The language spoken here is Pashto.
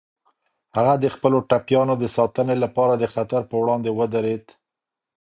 هغه د خپلو ټپيانو د ساتنې لپاره د خطر په وړاندې ودرید.